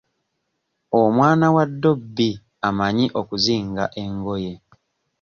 Omwana wa ddobi amanyi okuzinga engoye.